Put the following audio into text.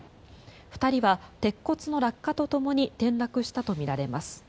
２人は鉄骨の落下とともに転落したとみられます。